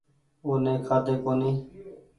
او ني کآۮي ڪونيٚ